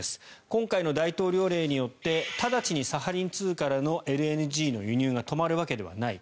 今回の大統領令によって直ちにサハリン２からのＬＮＧの輸入が止まるわけではない。